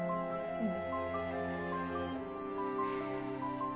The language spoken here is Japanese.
うん。